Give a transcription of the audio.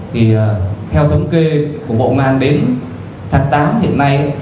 theo thống kê của bộ công an đến tháng tám hiện nay